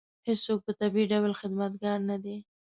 هېڅوک په طبیعي ډول خدمتګار نه دی.